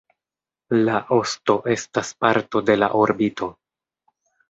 La osto estas parto de la orbito.